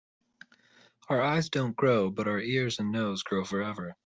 Our eyes don‘t grow, but our ears and nose grow forever.